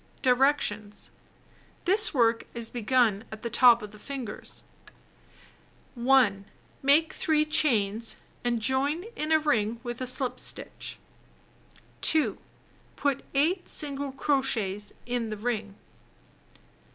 Directions: This work is begun at the top of the fingers. 1. Make 3 chain stitches, and join in a ring with a slip stitch. 2. Put 8 single crochets in the ring.